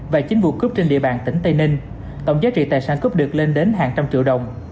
và chín vụ cướp trên địa bàn tỉnh tây ninh tổng giá trị tài sản cướp được lên đến hàng trăm triệu đồng